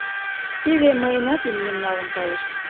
— Теве мыйынат имнем налын кайышт.